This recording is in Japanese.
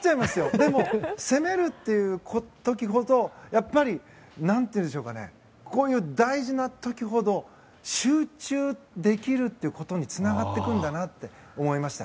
でも、攻めるっていう時ほどやっぱりこういう大事な時ほど集中できるということにつながっていくんだなって思いました。